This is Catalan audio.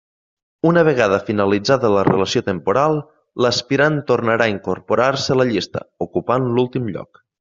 Una vegada finalitzada la relació temporal, l'aspirant tornarà a incorporar-se a la llista, ocupant l'últim lloc.